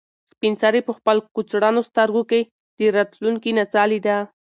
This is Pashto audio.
سپین سرې په خپل کڅوړنو سترګو کې د راتلونکي نڅا لیده.